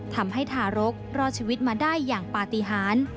ทำให้ทารกรอดชีวิตมาได้อย่างปาติฮาน